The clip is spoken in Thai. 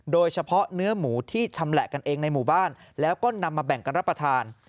โดยเฉพาะเนื้อหมูที่ชำแหละกันเองในหมู่บ้านแล้วก็นำมาแบ่งกันรับประทาน